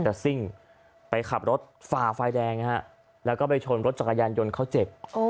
แต่ซิ่งไปขับรถฝ่าไฟแดงแล้วก็ไปชนรถจักรยานยนต์เขาเจ็บ